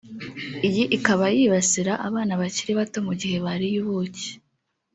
Iyi ikaba yibasira abana bakiri bato mu gihe bariye ubuki